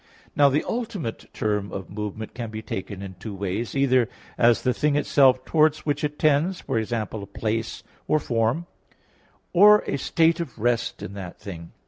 Now the ultimate term of movement can be taken in two ways, either as the thing itself towards which it tends, e.g. a place or form; or a state of rest in that thing.